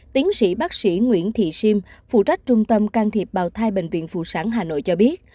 tiến sĩ bác sĩ nguyễn thị siêm phụ trách trung tâm can thiệp bào thai bệnh viện phụ sản hà nội cho biết